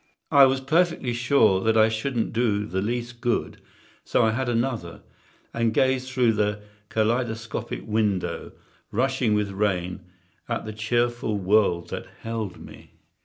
I was perfectly sure that I shouldn't do the least good; so I had another, and gazed through the kaleidoscopic window, rushing with rain, at the cheerful world that held me.